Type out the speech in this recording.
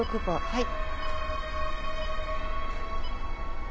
はい。